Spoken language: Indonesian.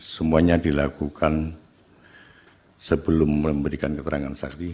semuanya dilakukan sebelum memberikan keterangan saksi